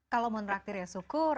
kalau mau ngeraktir ya syukur